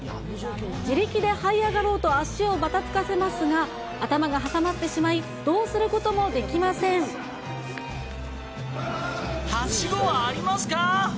自力ではい上がろうと足をばたつかせますが、頭が挟まってしまい、はしごはありますか？